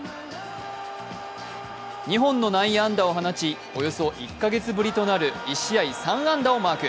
２本の内野安打を放ち、およそ１か月ぶりとなる１試合３安打をマーク。